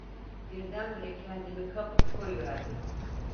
Birdenbire kendimi kapıp koyuverdim.